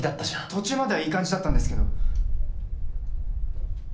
途中まではいい感じだったんですけど。